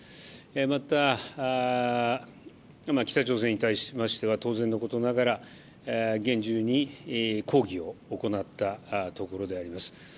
また、北朝鮮に対しましては当然のことながら、厳重に抗議を行ったところであります。